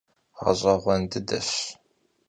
Ğeş'eğuen dıdeş.